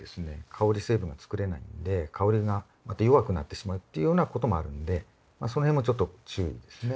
香り成分が作れないんで香りがまた弱くなってしまうっていうようなこともあるんでそのへんもちょっと注意ですね。